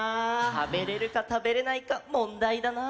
食べれるか食べれないかもんだいだな。